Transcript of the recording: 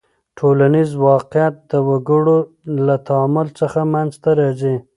ټولنیز واقعیت د وګړو له تعامل څخه منځ ته راځي.